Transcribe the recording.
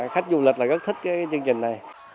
khách du lịch là rất thích cái chương trình này